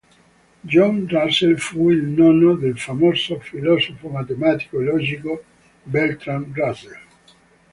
John Russell fu il nonno del famoso filosofo, matematico e logico Bertrand Russell.